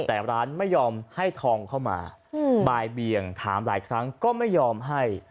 แต่ร้านไม่ยอมให้ทองเข้ามาบ่ายเบียงถามหลายครั้งก็ไม่ยอมให้